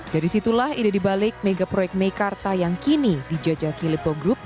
dari situlah ide dibalik mega proyek meikarta yang kini dijajaki lipo group